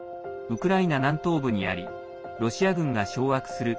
ウクライナ南東部にありロシア軍が掌握する